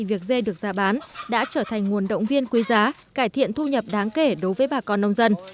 việc dê được ra bán đã trở thành nguồn động viên quý giá cải thiện thu nhập đáng kể đối với bà con nông dân